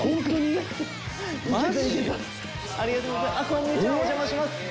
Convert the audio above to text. こんにちはお邪魔します。